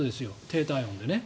低体温でね。